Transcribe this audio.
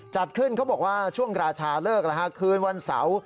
จัดขึ้นเขาบอกว่าช่วงราชาเลิกคืนวันเสาร์